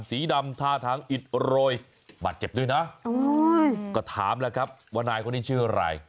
สีดำท่าทางอิดโรยบาดเจ็บด้วยนะก็ถามแล้วครับว่านายคนนี้ชื่ออะไร